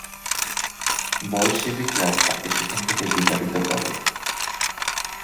বলশেভিকরা তাকে সেখান থেকে বিতাড়িত করে।